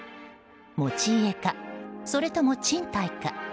持ち家か、それとも賃貸か。